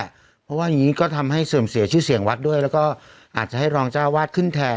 เพราะว่าอย่างนี้ก็ทำให้เสื่อมเสียชื่อเสียงวัดด้วยแล้วก็อาจจะให้รองเจ้าวาดขึ้นแทน